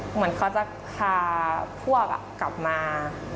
เหมือนเขาจะพาพวกกลับมา